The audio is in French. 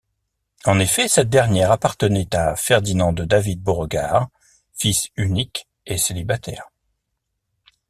En effet, cette dernière appartenait à Ferdinand de David-Beauregard, fils unique et célibataire.